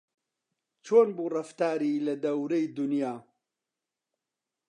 چۆن بوو ڕەفتاری لە دەورەی دونیا